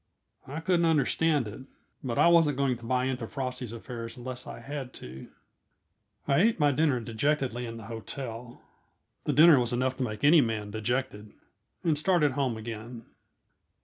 I couldn't understand it, but I wasn't going to buy into Frosty's affairs unless I had to. I ate my dinner dejectedly in the hotel the dinner was enough to make any man dejected and started home again.